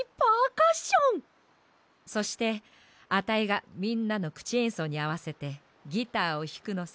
そしてアタイがみんなのくちえんそうにあわせてギターをひくのさ。